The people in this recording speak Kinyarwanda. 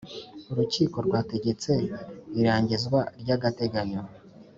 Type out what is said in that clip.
urukiko rwategetse irangizwa ry agateganyo